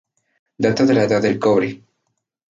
Data de la Edad del Cobre.